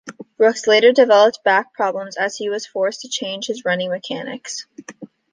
Brooks later developed back problems as he was forced to change his running mechanics.